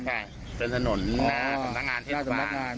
ใช่เป็นสนุนนาสำนักงานเทศบาล